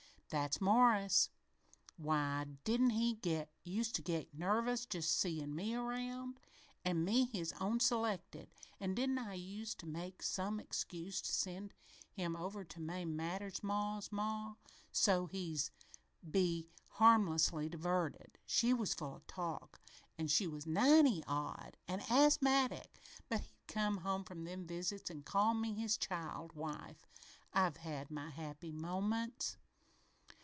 That's Morris. Why, didn't he used to get nervous just seein' me around, an' me his own selected? An' didn't I use to make some excuse to send him over to Mame Maddern's ma's ma's so's he'd be harmlessly diverted? She was full o' talk, and she was ninety odd an' asthmatic, but he'd come home from them visits an' call me his child wife. I've had my happy moments!